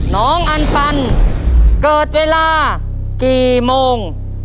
น้องอันปันเกิดเวลากี่โมง